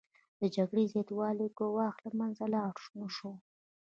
د جګړې د زیاتوالي ګواښ له منځه لاړ نشو